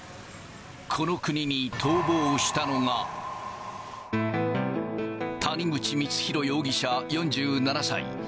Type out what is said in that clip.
この国に逃亡したのが、谷口光弘容疑者４７歳。